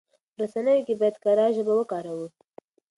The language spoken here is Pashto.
په رسنيو کې بايد کره ژبه وکاروو.